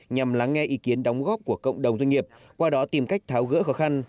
nhằm lắng nghe ý kiến đóng góp của cộng đồng doanh nghiệp qua đó tìm cách tháo gỡ khó khăn